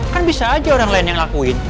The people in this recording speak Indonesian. kan bisa aja orang lain yang lakuin